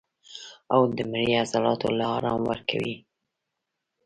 او د مرۍ عضلاتو له ارام ورکوي